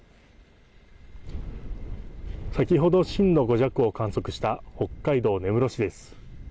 先ほど震度５弱を観測した、北海道根室市です。